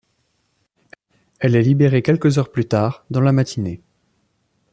Elle est libérée quelques heures plus tard, dans la matinée.